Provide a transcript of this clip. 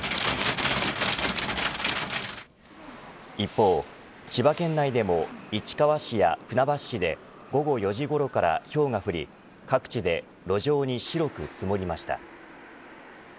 一方、千葉県内でも市川市や船橋市で午後４時ごろからひょうが降り各地で路上に白く積もりました。